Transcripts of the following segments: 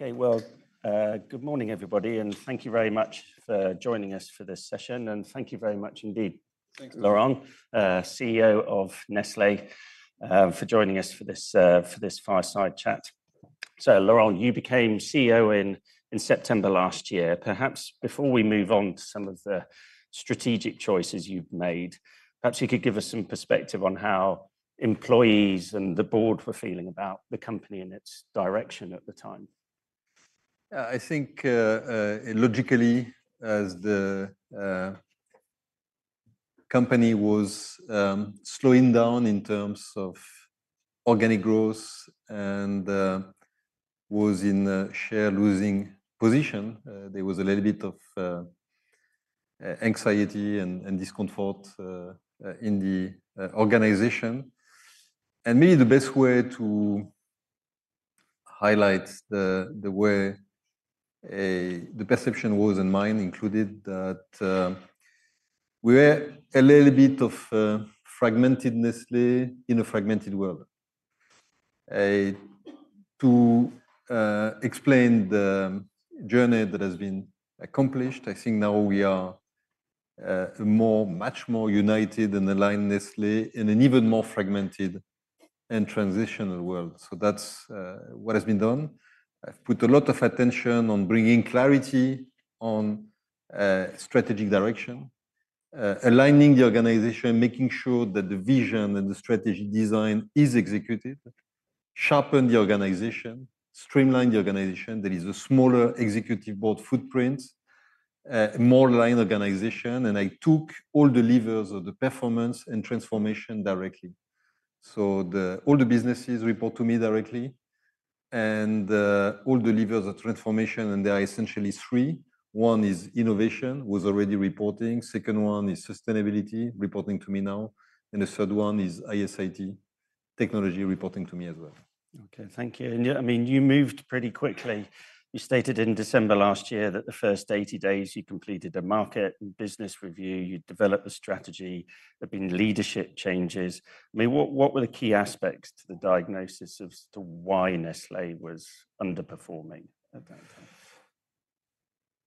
Okay, well good morning, everybody, and thank you very much for joining us for this session, and thank you very much indeed. Thanks. Laurent, CEO of Nestlé, for joining us for this, for this fireside chat. Laurent, you became CEO in September last year, perhaps before we move on to some of the strategic choices you've made. Perhaps you could give us some perspective on how employees and the board were feeling about the company and its direction at the time. Yeah, I think, logically, as the company was slowing down in terms of organic growth and was in a share-losing position, there was a little bit of anxiety and discomfort in the organization. Maybe the best way to highlight the way the perception was, mine included, that we were a little bit of a fragmented Nestlé in a fragmented world. To explain the journey that has been accomplished, I think now we are a much more united and aligned Nestlé in an even more fragmented and transitional world. That is what has been done. I've put a lot of attention on bringing clarity on strategic direction, aligning the organization, making sure that the vision and the strategy design is executed, sharpen the organization, streamline the organization. There is a smaller executive board footprint, more line organization, and I took all the levers of the performance and transformation directly. All the businesses report to me directly, and all the levers of transformation, and there are essentially three. One is innovation, who's already reporting. Second one is sustainability, reporting to me now. The third one is ISIT, technology, reporting to me as well. Okay, thank you. I mean, you moved pretty quickly. You stated in December last year that the first 80 days you completed a market and business review, you developed a strategy, there had been leadership changes. I mean, what were the key aspects to the diagnosis as to why Nestlé was underperforming at that time?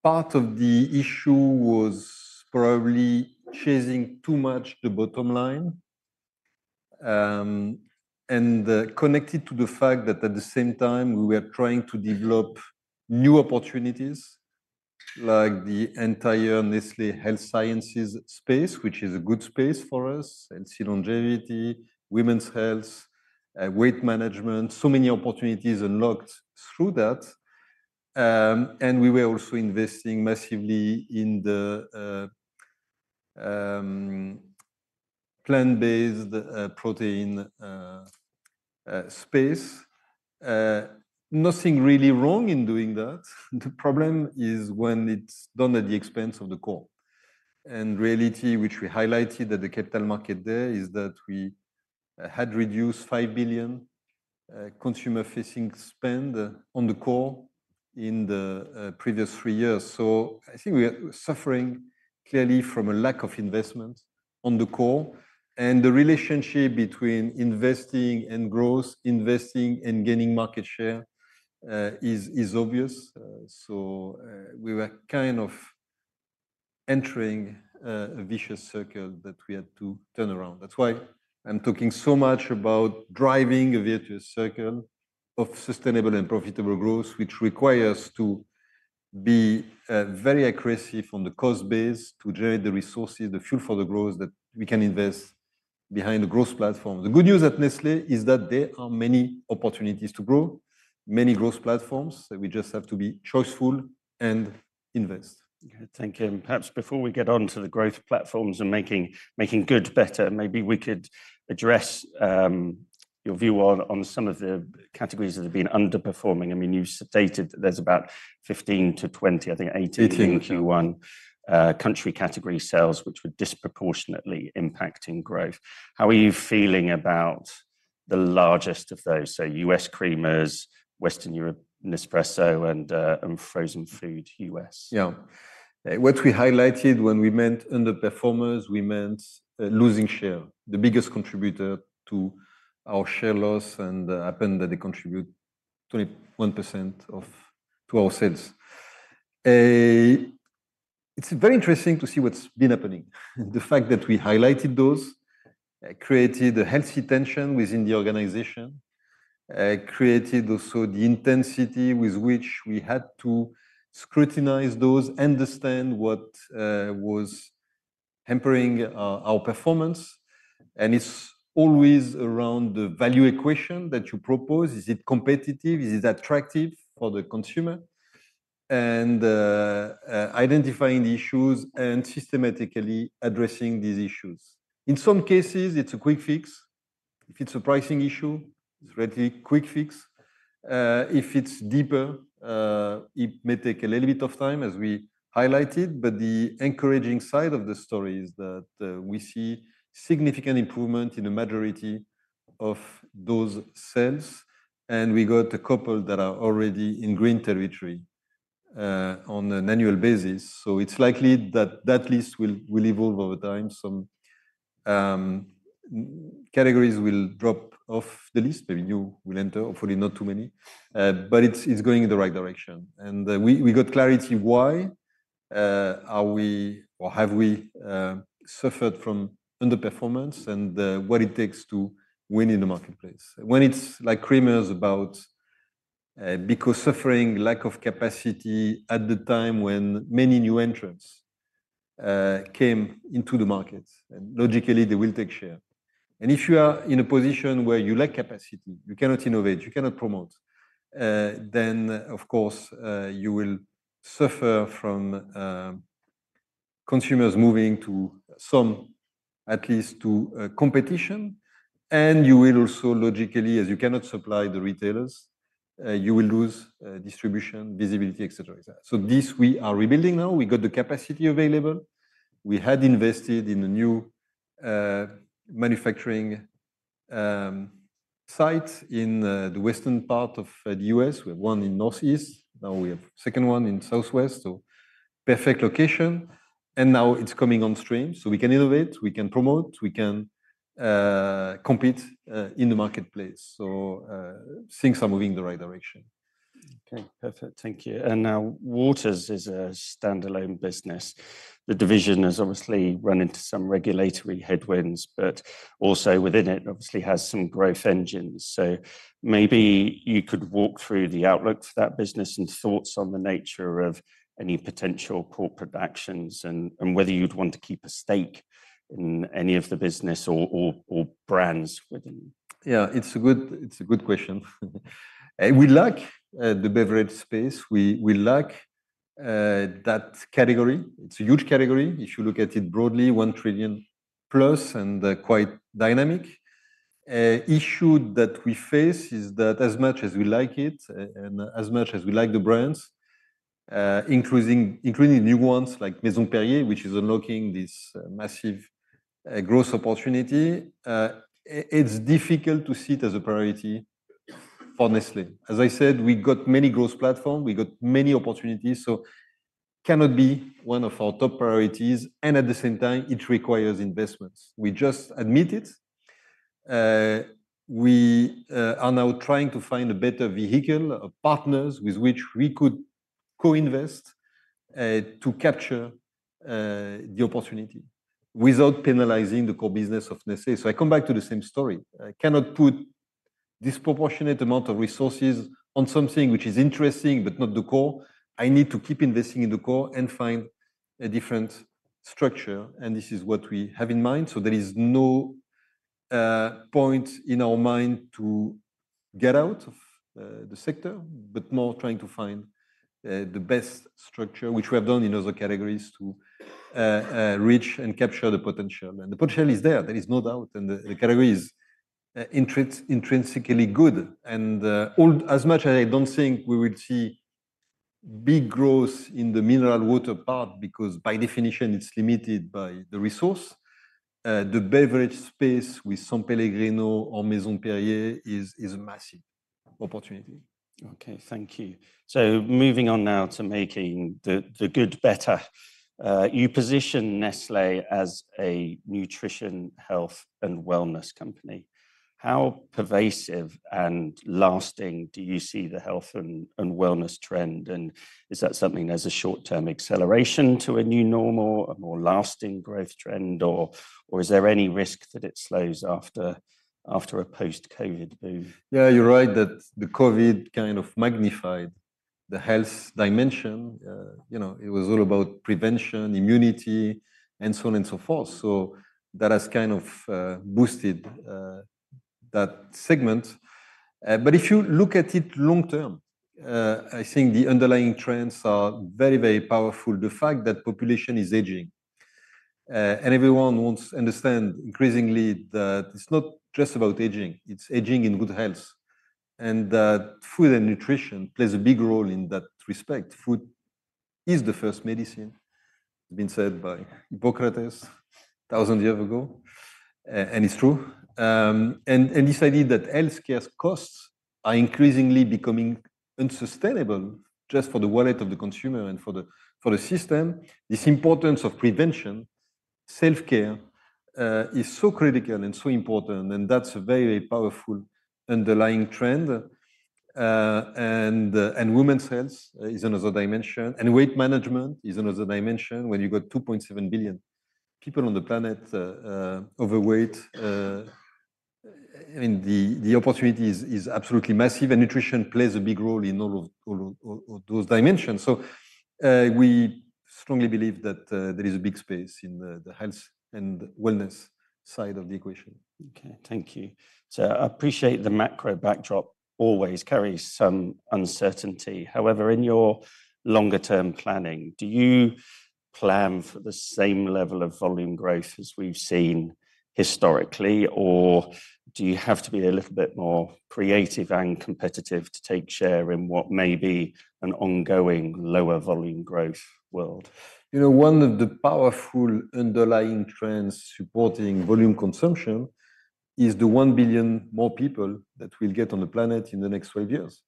Part of the issue was probably chasing too much the bottom line, and, connected to the fact that at the same time we were trying to develop new opportunities like the entire Nestlé Health Science space, which is a good space for us, healthy longevity, women's health, weight management, so many opportunities unlocked through that. We were also investing massively in the plant-based protein space. Nothing really wrong in doing that. The problem is when it's done at the expense of the core. The reality, which we highlighted at the capital market there, is that we had reduced $5 billion consumer-facing spend on the core in the previous three years. I think we were suffering clearly from a lack of investment on the core. The relationship between investing and growth, investing and gaining market share, is obvious. We were kind of entering a vicious circle that we had to turn around. That is why I am talking so much about driving a virtuous circle of sustainable and profitable growth, which requires us to be very aggressive on the cost base to generate the resources, the fuel for the growth that we can invest behind the growth platform. The good news at Nestlé is that there are many opportunities to grow, many growth platforms, that we just have to be choice-full and invest. Okay, thank you. Perhaps before we get on to the growth platforms and making good better, maybe we could address your view on some of the categories that have been underperforming. I mean, you stated that there's about 15-20, I think 18. In Q1, country category sales, which were disproportionately impacting growth. How are you feeling about the largest of those? U.S. creamers, Western Europe Nespresso, and frozen food U.S.? Yeah. What we highlighted when we meant underperformers, we meant losing share, the biggest contributor to our share loss, and happened that they contribute 21% to our sales. It's very interesting to see what's been happening. The fact that we highlighted those created a healthy tension within the organization, created also the intensity with which we had to scrutinize those, understand what was hampering our performance. And it's always around the value equation that you propose. Is it competitive? Is it attractive for the consumer? And identifying the issues and systematically addressing these issues. In some cases, it's a quick fix. If it's a pricing issue, it's a relatively quick fix. If it's deeper, it may take a little bit of time, as we highlighted. The encouraging side of the story is that we see significant improvement in the majority of those sales, and we got a couple that are already in green territory on an annual basis. It is likely that that list will evolve over time. Some categories will drop off the list. Maybe new will enter, hopefully not too many. It is going in the right direction. We got clarity why are we, or have we, suffered from underperformance and what it takes to win in the marketplace. When it is like creamers, because suffering lack of capacity at the time when many new entrants came into the market, and logically they will take share. And if you are in a position where you lack capacity, you cannot innovate, you cannot promote, then of course, you will suffer from consumers moving to some, at least to, competition. And you will also logically, as you cannot supply the retailers, lose distribution, visibility, et cetera, et cetera. So this we are rebuilding now. We got the capacity available. We had invested in a new manufacturing site in the western part of the U.S. We have one in the northeast. Now we have a second one in the southwest. So perfect location. Now it is coming on stream. We can innovate, we can promote, we can compete in the marketplace. So things are moving in the right direction. Okay, perfect. Thank you. And now Waters is a standalone business. The division has obviously run into some regulatory headwinds, but also within it obviously has some growth engines. Maybe you could walk through the outlook for that business and thoughts on the nature of any potential corporate actions and whether you'd want to keep a stake in any of the business or brands within? Yeah, it's a good, it's a good question. We lack, the beverage space. We, we lack, that category. It's a huge category. If you look at it broadly, $1 trillion+ and, quite dynamic. The issue that we face is that as much as we like it and as much as we like the brands, including new ones like Maison Perrier, which is unlocking this massive, growth opportunity, it's difficult to see it as a priority for Nestlé. As I said, we got many growth platforms, we got many opportunities, so it cannot be one of our top priorities. At the same time, it requires investments. We just admit it. We are now trying to find a better vehicle, partners with which we could co-invest, to capture, the opportunity without penalizing the core business of Nestlé. I come back to the same story. I cannot put a disproportionate amount of resources on something which is interesting but not the core. I need to keep investing in the core and find a different structure. This is what we have in mind. There is no point in our mind to get out of the sector, but more trying to find the best structure, which we have done in other categories to reach and capture the potential. The potential is there. There is no doubt. The category is intrinsically good. As much as I do not think we will see big growth in the mineral water part because by definition it is limited by the resource, the beverage space with Sanpellegrino or Maison Perrier is a massive opportunity. Okay, thank you. Moving on now to making the good better. You position Nestlé as a nutrition, health, and wellness company. How pervasive and lasting do you see the health and wellness trend? Is that something as a short-term acceleration to a new normal, a more lasting growth trend, or is there any risk that it slows after a post-COVID boom? Yeah, you're right that the COVID kind of magnified the health dimension. You know, it was all about prevention, immunity, and so on and so forth. That has kind of boosted that segment. But if you look at it long-term, I think the underlying trends are very, very powerful. The fact that population is aging, and everyone wants to understand increasingly that it's not just about aging, it's aging in good health. And that food and nutrition plays a big role in that respect. Food is the first medicine, as has been said by Hippocrates thousands of years ago, and it's true. This idea that healthcare's costs are increasingly becoming unsustainable just for the wallet of the consumer and for the system, this importance of prevention, self-care, is so critical and so important. That's a very, very powerful underlying trend. Women's health is another dimension. Weight management is another dimension when you got 2.7 billion people on the planet overweight. I mean, the opportunity is absolutely massive. Nutrition plays a big role in all of those dimensions. We strongly believe that there is a big space in the health and wellness side of the equation. Okay, thank you. I appreciate the macro backdrop always carries some uncertainty. However, in your longer-term planning, do you plan for the same level of volume growth as we've seen historically, or do you have to be a little bit more creative and competitive to take share in what may be an ongoing lower volume growth world? You know, one of the powerful underlying trends supporting volume consumption is the 1 billion more people that we'll get on the planet in the next five years.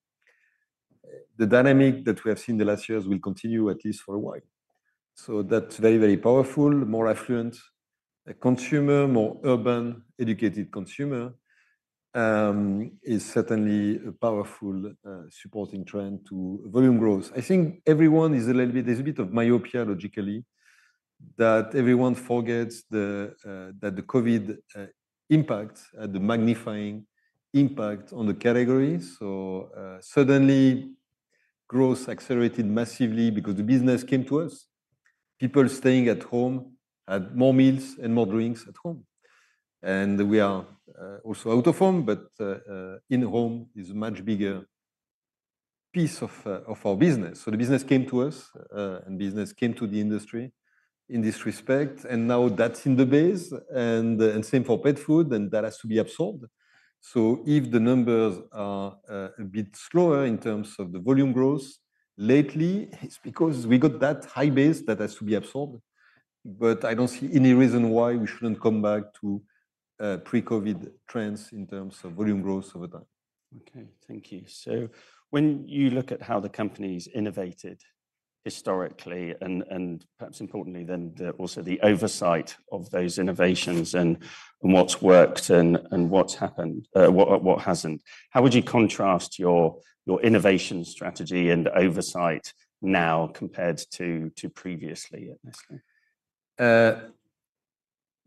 The dynamic that we have seen the last years will continue at least for a while. That is very, very powerful. More affluent, consumer, more urban, educated consumer, is certainly a powerful, supporting trend to volume growth. I think everyone is a little bit, there's a bit of myopia logically that everyone forgets the, that the COVID impact, the magnifying impact on the categories. Suddenly growth accelerated massively because the business came to us. People staying at home had more meals and more drinks at home. We are also out of home, but in home is a much bigger piece of our business. The business came to us, and business came to the industry in this respect. That is in the base. Same for pet food, and that has to be absorbed. If the numbers are a bit slower in terms of the volume growth lately, it is because we got that high base that has to be absorbed. I do not see any reason why we should not come back to pre-COVID trends in terms of volume growth over time. Okay, thank you. When you look at how the company has innovated historically and, and perhaps importantly then also the oversight of those innovations and, and what's worked and, and what's happened, what, what hasn't, how would you contrast your, your innovation strategy and oversight now compared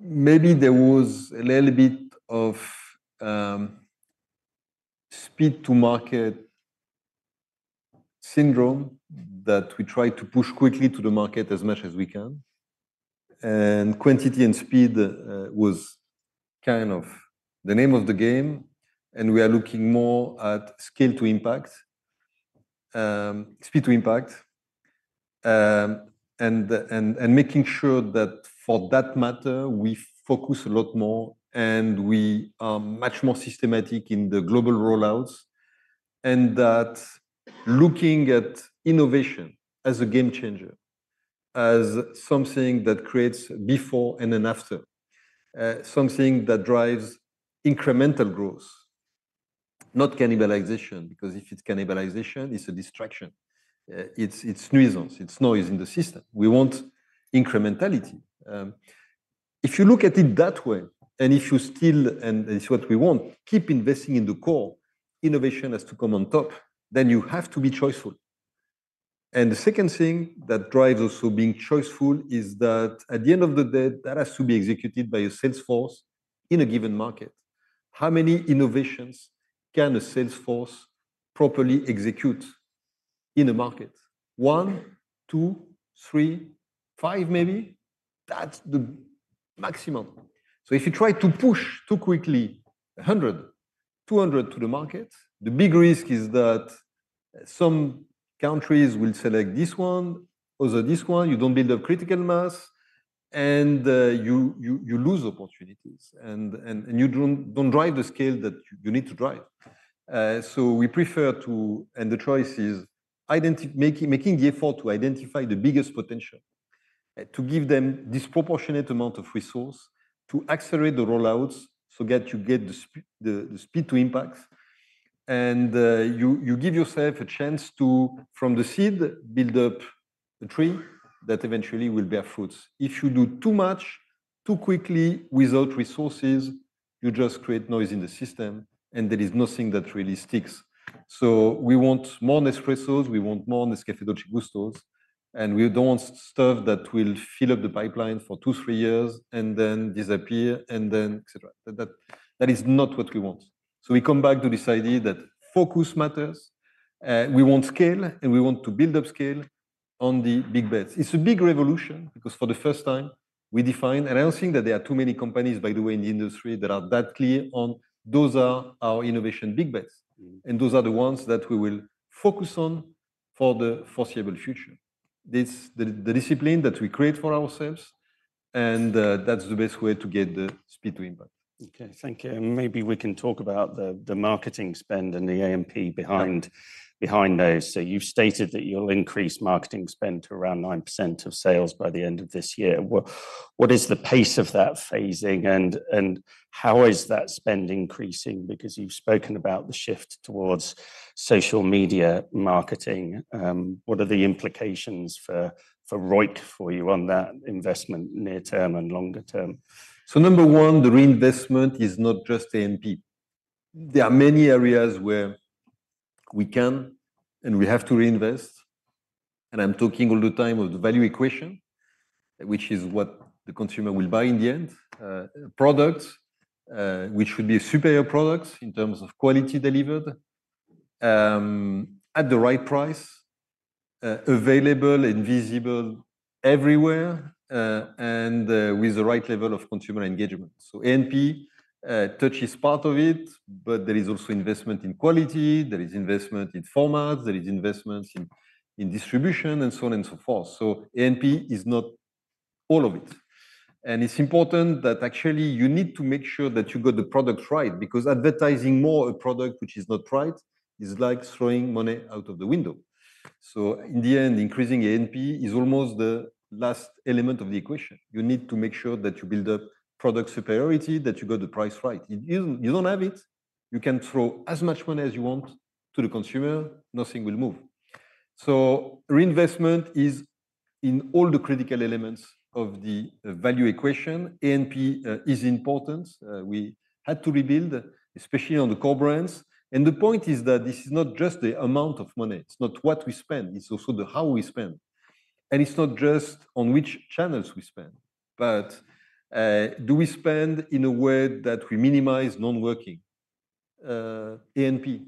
to, to previously at Nestlé? Maybe there was a little bit of speed to market syndrome that we tried to push quickly to the market as much as we can. Quantity and speed was kind of the name of the game. We are looking more at scale to impact, speed to impact, and making sure that for that matter, we focus a lot more and we are much more systematic in the global rollouts and that looking at innovation as a game changer, as something that creates a before and an after, something that drives incremental growth, not cannibalization, because if it is cannibalization, it is a distraction. It is nuisance, it is noise in the system. We want incrementality. If you look at it that way, and if you still, and it is what we want, keep investing in the core, innovation has to come on top, then you have to be choiceful. The second thing that drives also being choiceful is that at the end of the day, that has to be executed by a salesforce in a given market. How many innovations can a salesforce properly execute in a market? One, two, three, five maybe. That is the maximum. If you try to push too quickly a hundred, 200 to the market, the big risk is that some countries will select this one, also this one, you do not build up critical mass and you lose opportunities and you do not drive the scale that you need to drive. We prefer to, and the choice is identify, making the effort to identify the biggest potential, to give them disproportionate amount of resource to accelerate the rollouts. You get the speed, the speed to impacts. You give yourself a chance to, from the seed, build up a tree that eventually will bear fruits. If you do too much, too quickly without resources, you just create noise in the system and there is nothing that really sticks. We want more Nespressos. We want more Nescafe Dolce Gustos. We do not want stuff that will fill up the pipeline for two, three years and then disappear and then et cetera. That is not what we want. We come back to this idea that focus matters. We want scale and we want to build up scale on the big bets. It is a big revolution because for the first time we define, and I do not think that there are too many companies, by the way, in the industry that are that clear on those are our innovation big bets. Those are the ones that we will focus on for the foreseeable future. It's the discipline that we create for ourselves, and that's the best way to get the speed to impact. Okay, thank you. Maybe we can talk about the marketing spend and the AMP behind those. You have stated that you will increase marketing spend to around 9% of sales by the end of this year. What is the pace of that phasing, and how is that spend increasing? Because you have spoken about the shift towards social media marketing. What are the implications for Roike for you on that investment near-term and longer-term? Number one, the reinvestment is not just AMP. There are many areas where we can and we have to reinvest. I am talking all the time of the value equation, which is what the consumer will buy in the end, products, which should be superior products in terms of quality delivered, at the right price, available and visible everywhere, and with the right level of consumer engagement. AMP is part of it, but there is also investment in quality. There is investment in formats. There is investment in distribution and so on and so forth. AMP is not all of it. It is important that actually you need to make sure that you got the product right, because advertising more a product which is not right is like throwing money out of the window. In the end, increasing AMP is almost the last element of the equation. You need to make sure that you build up product superiority, that you got the price right. If you do not, you do not have it, you can throw as much money as you want to the consumer, nothing will move. Reinvestment is in all the critical elements of the value equation. AMP is important. We had to rebuild, especially on the core brands. The point is that this is not just the amount of money. It is not what we spend. It is also the how we spend. It is not just on which channels we spend, but, do we spend in a way that we minimize non-working? AMP, it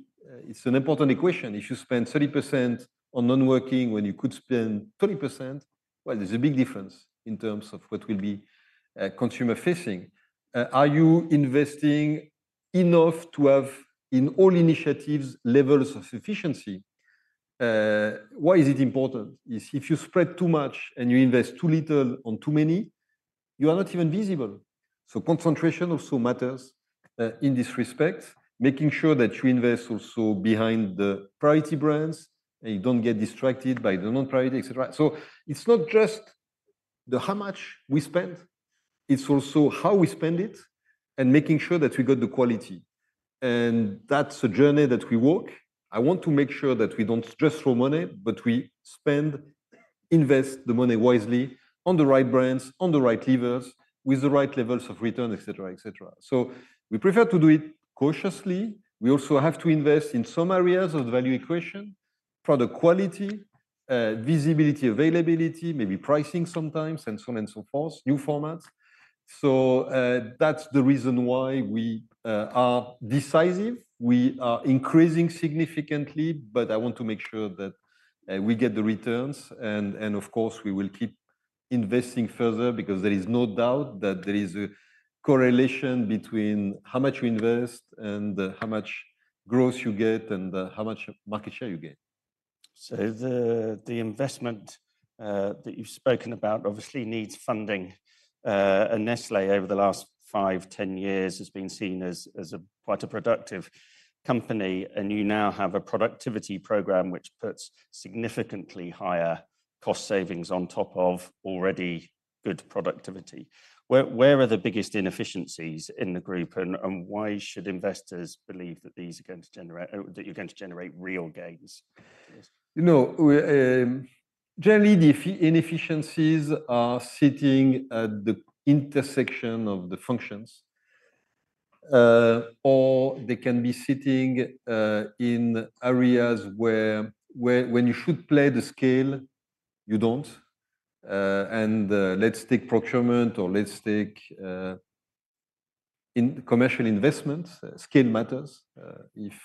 is an important equation. If you spend 30% on non-working when you could spend 20%, well, there is a big difference in terms of what will be consumer facing. Are you investing enough to have in all initiatives levels of efficiency? Why is it important? If you spread too much and you invest too little on too many, you are not even visible. Concentration also matters in this respect, making sure that you invest also behind the priority brands and you do not get distracted by the non-priority, et cetera. It is not just how much we spend, it is also how we spend it and making sure that we got the quality. That is a journey that we walk. I want to make sure that we do not just throw money, but we spend, invest the money wisely on the right brands, on the right levers, with the right levels of return, et cetera, et cetera. We prefer to do it cautiously. We also have to invest in some areas of the value equation, product quality, visibility, availability, maybe pricing sometimes, and so on and so forth, new formats. That is the reason why we are decisive. We are increasing significantly, but I want to make sure that we get the returns. Of course, we will keep investing further because there is no doubt that there is a correlation between how much you invest and how much growth you get and how much market share you get. The investment that you've spoken about obviously needs funding. Nestlé over the last five years, 10 years has been seen as a quite a productive company. You now have a productivity program, which puts significantly higher cost savings on top of already good productivity. Where are the biggest inefficiencies in the group, and why should investors believe that these are going to generate, that you're going to generate real gains? You know, generally the inefficiencies are sitting at the intersection of the functions, or they can be sitting in areas where, when you should play the scale, you do not. Let's take procurement or let's take, in commercial investments, scale matters. If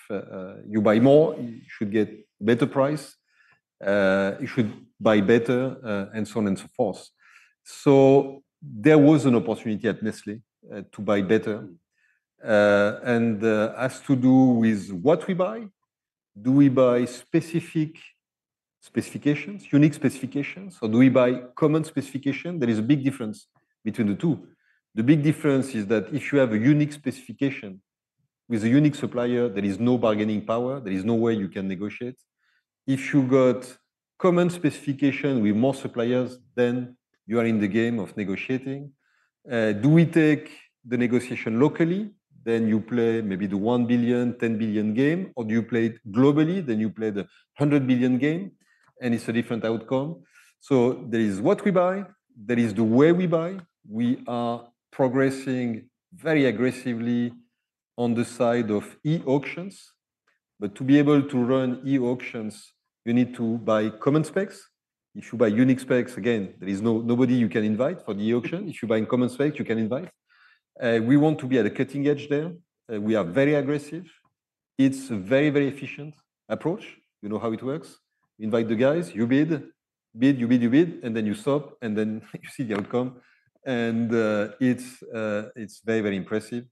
you buy more, you should get better price. You should buy better, and so on and so forth. There was an opportunity at Nestlé to buy better, and has to do with what we buy. Do we buy specific specifications, unique specifications? Or do we buy common specification? There is a big difference between the two. The big difference is that if you have a unique specification with a unique supplier, there is no bargaining power. There is no way you can negotiate. If you got common specification with more suppliers, then you are in the game of negotiating. Do we take the negotiation locally? You play maybe the $1 billion, $10 billion game, or do you play it globally? You play the $100 billion game and it is a different outcome. There is what we buy, there is the way we buy. We are progressing very aggressively on the side of e-auctions. To be able to run e-auctions, you need to buy common specs. If you buy unique specs, again, there is nobody you can invite for the e-auction. If you buy in common specs, you can invite. We want to be at the cutting edge there. We are very aggressive. It is a very, very efficient approach. You know how it works. You invite the guys, you bid, bid, you bid, you bid, and then you stop and then you see the outcome. It is very, very impressive.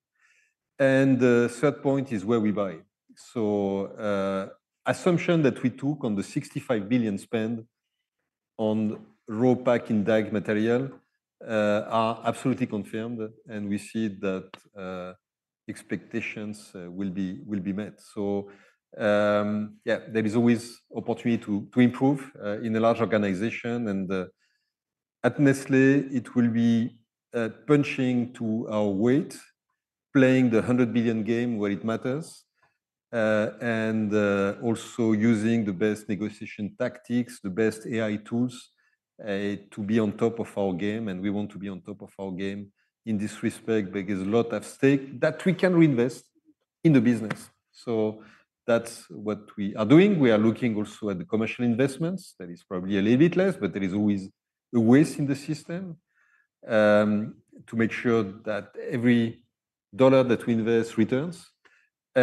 The third point is where we buy. The assumption that we took on the $65 billion spend on raw packing DIAG material are absolutely confirmed. We see that expectations will be met. There is always opportunity to improve in a large organization. At Nestlé, it will be punching to our weight, playing the $100 billion game where it matters, and also using the best negotiation tactics, the best AI tools, to be on top of our game. We want to be on top of our game in this respect because a lot is at stake that we can reinvest in the business. That is what we are doing. We are looking also at the commercial investments. That is probably a little bit less, but there is always a waste in the system to make sure that every dollar that we invest returns. We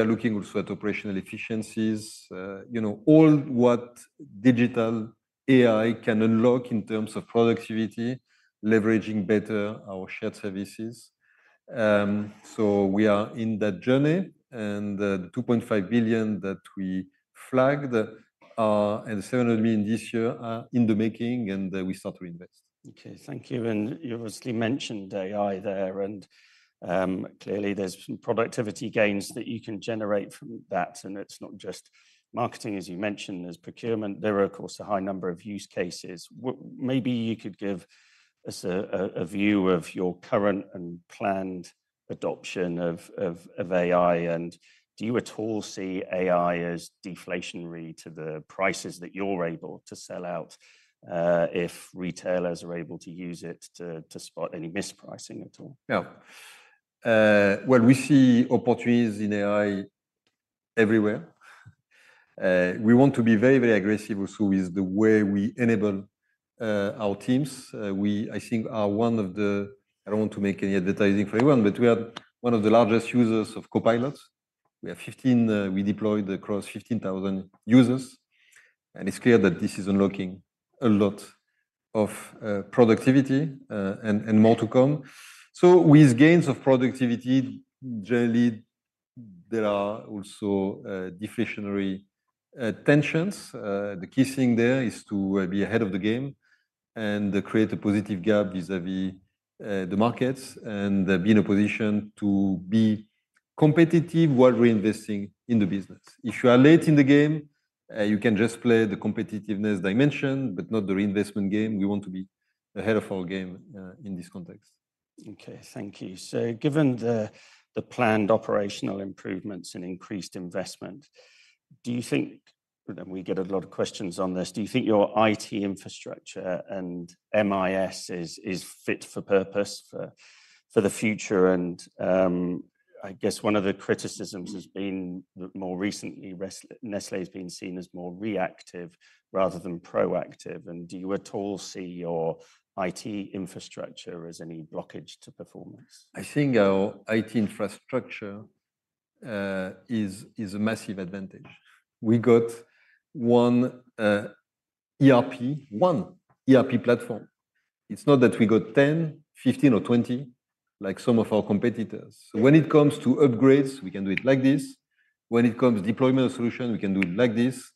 are looking also at operational efficiencies, you know, all what digital AI can unlock in terms of productivity, leveraging better our shared services. We are in that journey and the $2.5 billion that we flagged, and $700 million this year are in the making and we start to invest. Okay. Thank you. You obviously mentioned AI there and, clearly, there are some productivity gains that you can generate from that. It is not just marketing, as you mentioned, there is procurement. There are, of course, a high number of use cases. Maybe you could give us a view of your current and planned adoption of AI. Do you at all see AI as deflationary to the prices that you are able to sell at, if retailers are able to use it to spot any mispricing at all? Yeah. We see opportunities in AI everywhere. We want to be very, very aggressive also with the way we enable our teams. We, I think, are one of the, I do not want to make any advertising for everyone, but we are one of the largest users of Copilot. We have deployed across 15,000 users. It is clear that this is unlocking a lot of productivity, and more to come. With gains of productivity, generally there are also deflationary tensions. The key thing there is to be ahead of the game and create a positive gap vis-à-vis the markets and be in a position to be competitive while reinvesting in the business. If you are late in the game, you can just play the competitiveness dimension, but not the reinvestment game. We want to be ahead of our game in this context. Okay. Thank you. Given the planned operational improvements and increased investment, do you think, and we get a lot of questions on this, do you think your IT infrastructure and MIS is fit for purpose for the future? I guess one of the criticisms has been that more recently Nestlé has been seen as more reactive rather than proactive. Do you at all see your IT infrastructure as any blockage to performance? I think our IT infrastructure is a massive advantage. We got one ERP, one ERP platform. It's not that we got 10, 15, or 20, like some of our competitors. When it comes to upgrades, we can do it like this. When it comes to deployment of solution, we can do it like this.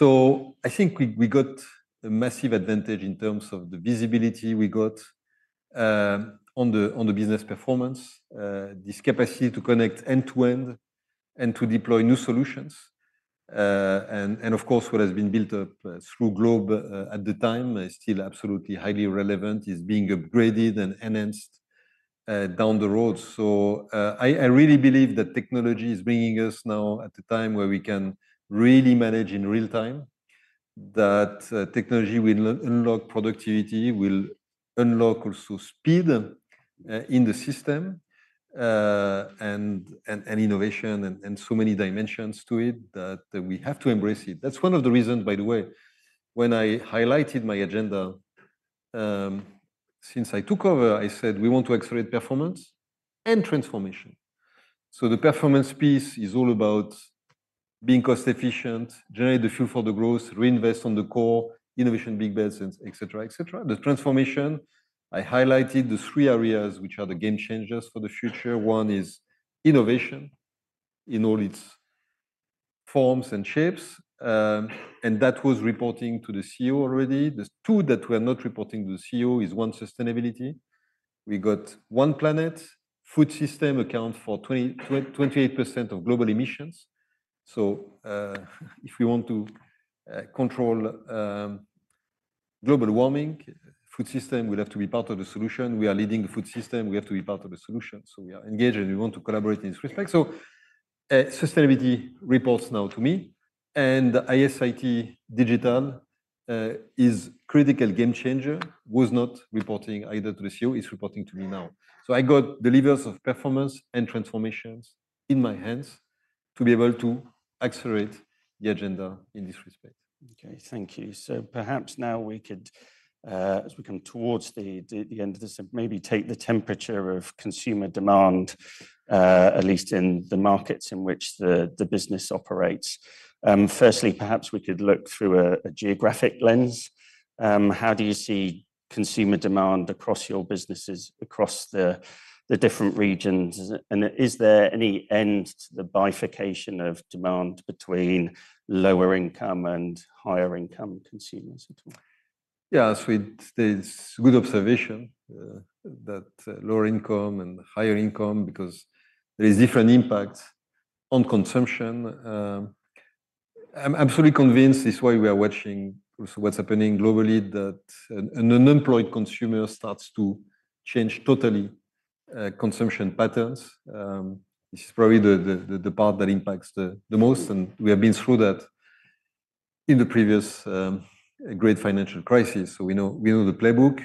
I think we got a massive advantage in terms of the visibility we got on the business performance, this capacity to connect end to end and to deploy new solutions. Of course, what has been built up through Globe at the time is still absolutely highly relevant, is being upgraded and enhanced down the road. I really believe that technology is bringing us now at a time where we can really manage in real time, that technology will unlock productivity, will unlock also speed in the system, and innovation, and so many dimensions to it that we have to embrace it. That's one of the reasons, by the way, when I highlighted my agenda, since I took over, I said we want to accelerate performance and transformation. The performance piece is all about being cost efficient, generate the fuel for the growth, reinvest on the core, innovation, big bets, et cetera, et cetera. The transformation, I highlighted the three areas which are the game changers for the future. One is innovation in all its forms and shapes, and that was reporting to the CEO already. The two that were not reporting to the CEO is one, sustainability. We got one planet. Food system accounts for 20%-28% of global emissions. If we want to control global warming, food system will have to be part of the solution. We are leading the food system. We have to be part of the solution. We are engaged and we want to collaborate in this respect. Sustainability reports now to me and ISIT digital is critical game changer, was not reporting either to the CEO, is reporting to me now. I got the levers of performance and transformations in my hands to be able to accelerate the agenda in this respect. Okay. Thank you. Perhaps now we could, as we come towards the end of this, maybe take the temperature of consumer demand, at least in the markets in which the business operates. Firstly, perhaps we could look through a geographic lens. How do you see consumer demand across your businesses, across the different regions? Is there any end to the bifurcation of demand between lower income and higher income consumers at all? Yeah, that's, there's good observation, that lower income and higher income, because there is different impacts on consumption. I'm absolutely convinced this is why we are watching also what's happening globally, that an unemployed consumer starts to change totally, consumption patterns. This is probably the part that impacts the most. And we have been through that in the previous great financial crisis. So we know, we know the playbook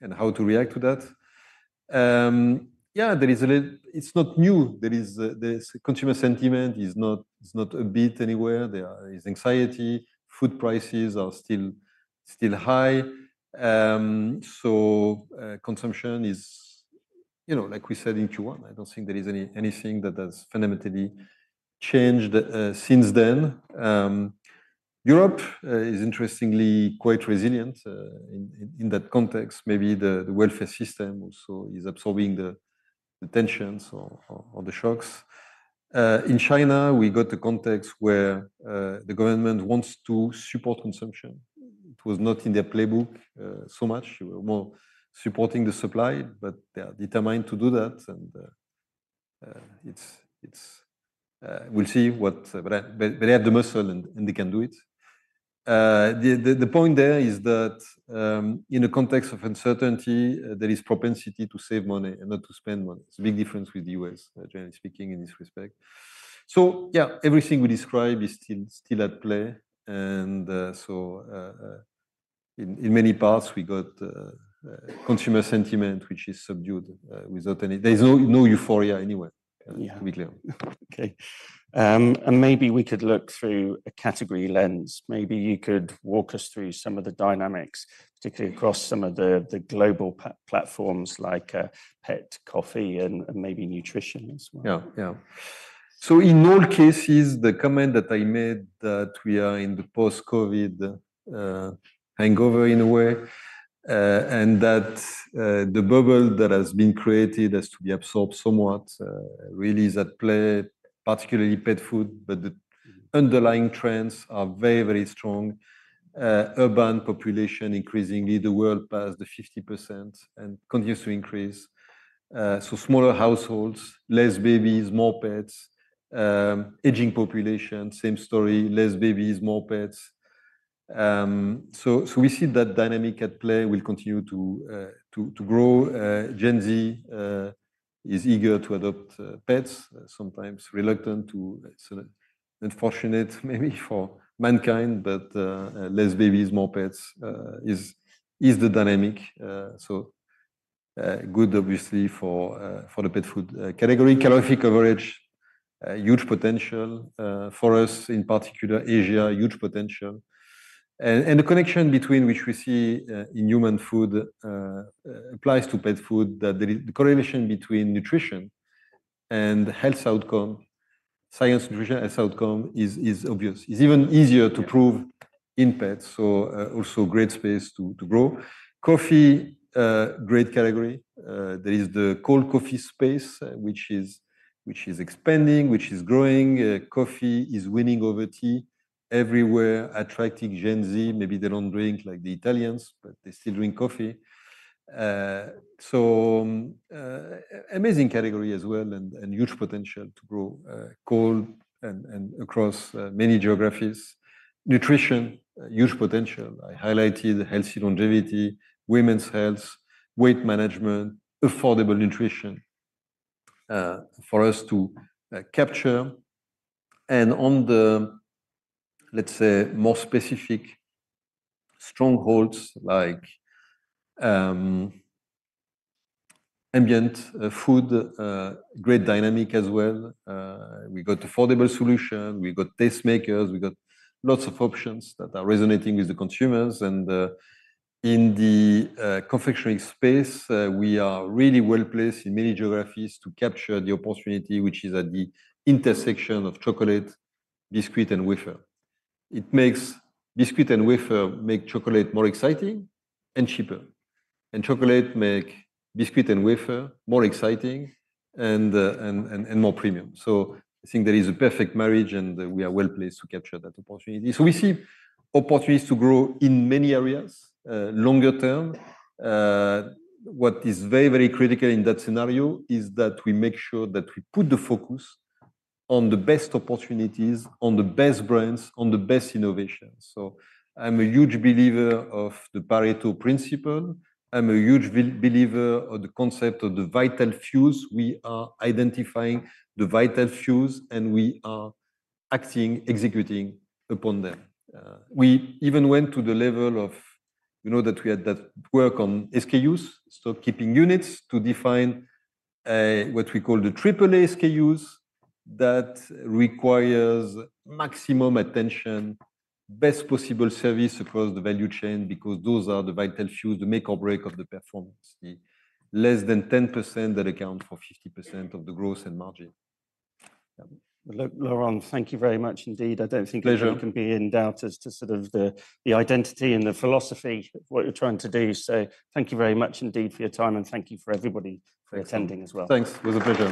and how to react to that. Yeah, there is a little, it's not new. There is, there's consumer sentiment is not, is not a bit anywhere. There is anxiety. Food prices are still high. So, consumption is, you know, like we said in Q1, I don't think there is anything that has fundamentally changed since then. Europe is interestingly quite resilient in that context. Maybe the welfare system also is absorbing the tensions or the shocks. In China, we got the context where the government wants to support consumption. It was not in their playbook so much. They were more supporting the supply, but they are determined to do that. It's, it's, we'll see what, but they have the muscle and they can do it. The point there is that, in a context of uncertainty, there is propensity to save money and not to spend money. It's a big difference with the U.S., generally speaking, in this respect. Yeah, everything we describe is still at play. In many parts we got consumer sentiment, which is subdued, without any, there's no euphoria anywhere. Yeah. To be clear. Okay. And maybe we could look through a category lens. Maybe you could walk us through some of the dynamics, particularly across some of the, the global platforms like Pet, Coffee, and maybe Nutrition as well? Yeah. Yeah. In all cases, the comment that I made that we are in the post-COVID hangover, in a way, and that the bubble that has been created has to be absorbed somewhat, really is at play, particularly pet food, but the underlying trends are very, very strong. Urban population increasingly, the world passed the 50% and continues to increase. Smaller households, less babies, more pets, aging population, same story, less babies, more pets. We see that dynamic at play. We'll continue to grow. Gen Z is eager to adopt pets, sometimes reluctant to. It's unfortunate maybe for mankind, but less babies, more pets is the dynamic. Good, obviously, for the pet food category, calorific coverage, huge potential, for us in particular, Asia, huge potential. The connection between what we see in human food applies to pet food. The correlation between nutrition and health outcome, science, nutrition, health outcome is obvious. It is even easier to prove in pets. Also, great space to grow. Coffee, great category. There is the cold coffee space, which is expanding, which is growing. Coffee is winning over tea everywhere, attracting Gen Z. Maybe they do not drink like the Italians, but they still drink coffee. Amazing category as well and huge potential to grow, cold and across many geographies. Nutrition, huge potential. I highlighted healthy longevity, women's health, weight management, affordable nutrition, for us to capture. On the, let's say, more specific strongholds like ambient food, great dynamic as well. We have affordable solutions. We have tastemakers. We have lots of options that are resonating with the consumers. In the confectionery space, we are really well placed in many geographies to capture the opportunity, which is at the intersection of chocolate, biscuit, and wafer. Biscuit and wafer make chocolate more exciting and cheaper, and chocolate makes biscuit and wafer more exciting and more premium. I think there is a perfect marriage and we are well placed to capture that opportunity. We see opportunities to grow in many areas, longer term. What is very, very critical in that scenario is that we make sure that we put the focus on the best opportunities, on the best brands, on the best innovations. I am a huge believer of the Pareto principle. I am a huge believer of the concept of the vital few. We are identifying the vital few and we are acting, executing upon them. We even went to the level of, you know, that we had that work on SKUs, stock keeping units, to define what we call the triple AAA SKUs that require maximum attention, best possible service across the value chain, because those are the vital few, the make or break of the performance. The less than 10% that account for 50% of the growth and margin. Laurent, thank you very much indeed. I do not think you can be in doubt as to the identity and the philosophy of what you are trying to do. Thank you very much indeed for your time and thank you for everybody for attending as well. Thanks. It was a pleasure.